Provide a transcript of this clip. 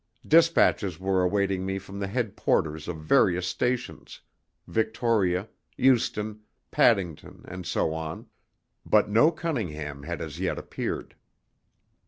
Despatches were awaiting me from the head porters of various stations Victoria, Euston, Paddington, and so on but no Cunningham had as yet appeared.